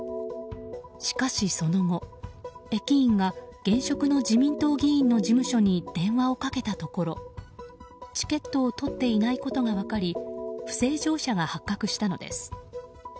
しかしその後、駅員が現職の自民党議員の事務所に電話をかけたところチケットを取っていないことが分かり不正乗車が発覚したのです。